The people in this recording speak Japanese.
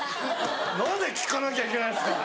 何で聞かなきゃいけないんですか。